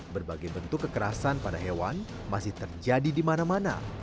berbagai bentuk kekerasan pada hewan masih terjadi di mana mana